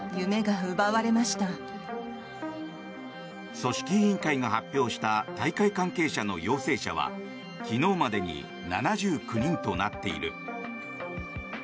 組織委員会が発表した大会関係者の陽性者は昨日までに７９人となっている。